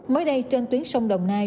mới đây trên tuyến sông đồng nai